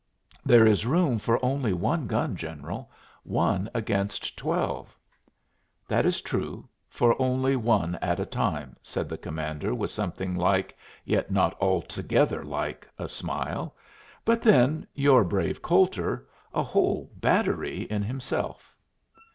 "There is room for only one gun, General one against twelve." "That is true for only one at a time," said the commander with something like, yet not altogether like, a smile. "But then, your brave Coulter a whole battery in himself."